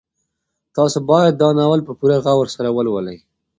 تاسو باید دا ناول په پوره غور سره ولولئ.